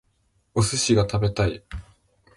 お寿司が食べたい